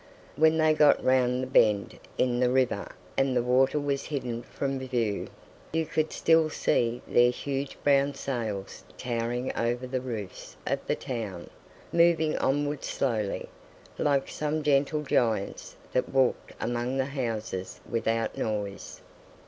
When they got round the bend in the river and the water was hidden from view, you could still see their huge brown sails towering over the roofs of the town, moving onward slowly—like some gentle giants that walked among the houses without noise.